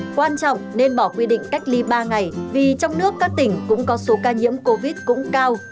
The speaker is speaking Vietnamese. quan trọng nên bỏ quy định cách ly ba ngày vì trong nước các tỉnh cũng có số ca nhiễm covid cũng cao